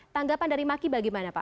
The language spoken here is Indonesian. tanggapan dari mak giba bagaimana pak